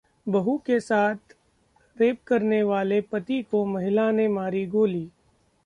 बहू के साथ रेप करने वाले पति को महिला ने मारी गोली